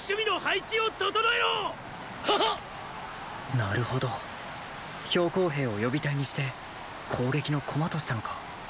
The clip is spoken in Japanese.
なるほど公兵を予備隊にして攻撃の駒としたのか。